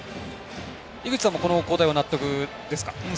井口さんも、この交代は納得ですか？